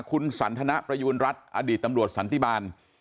คุณสันทนประยูณรัฐอดีตตำรวจสันติบาล